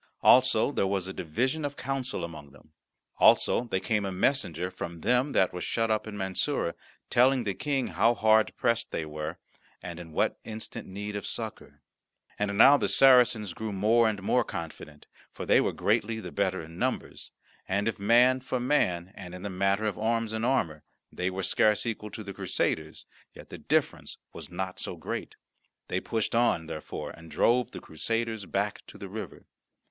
Also there was a division of counsel among them. Also there came a messenger from them that were shut up in Mansoura, telling the King how hard pressed they were, and in what instant need of succour. And now the Sacarens grew more and more confident, for they were greatly the better in numbers; and if, man for man and in the matter of arms and armour, they were scarce equal to the Crusaders, yet the difference was not so great. They pushed on, therefore, and drove the Christians back to the river.